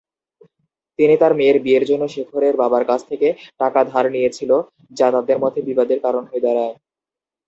তিনি তার মেয়ের বিয়ের জন্য শেখরের বাবার কাছ থেকে টাকা ধার নিয়েছিল, যা তাদের মধ্যে বিবাদের কারণ হয়ে দাড়ায়।